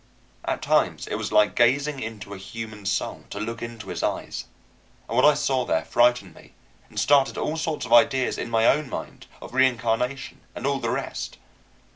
At times it was like gazing into a human soul, to look into his eyes; and what I saw there frightened me and started all sorts of ideas in my own mind of reincarnation and all the rest.